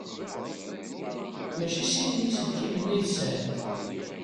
Maci sin n yiselkimen ay tesɛid?